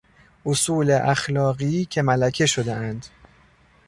اصول اخلاقی که ملکه شدهاند